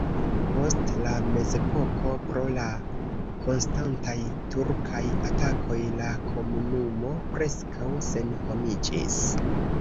Post la mezepoko pro la konstantaj turkaj atakoj la komunumo preskaŭ senhomiĝis.